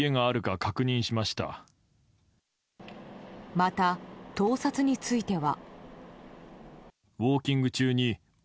また、盗撮については。